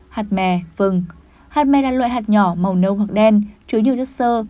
hạt mè vâng hạt mè là loại hạt nhỏ màu nâu hoặc đen chứa nhiều chất sơ